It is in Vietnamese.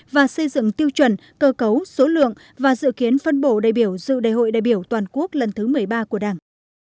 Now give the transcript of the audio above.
và xây dựng tiêu chuẩn cơ cấu số lượng và dự kiến phân bổ đại biểu dự đại hội đại biểu toàn quốc lần thứ một mươi ba của đảng